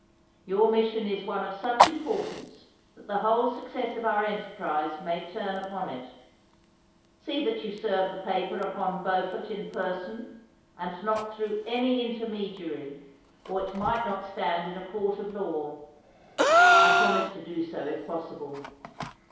Your mission is one of such importance that the whole success of our enterprise may turn upon it. See that you serve the paper upon Beaufort in person, and not through any intermediary, or it might not stand in a court of law.' I promised to do so if possible.